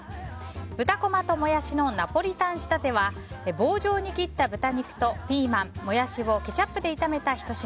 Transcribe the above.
豚こまとモヤシのナポリタン仕立ては棒状に切った豚肉とピーマンモヤシをケチャップで炒めた１品。